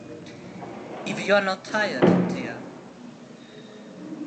If you are not tired, dear.